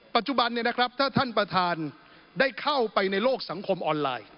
ปัจจุบันถ้าท่านประธานได้เข้าไปในโลกสังคมออนไลน์